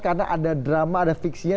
karena ada drama ada fiksinya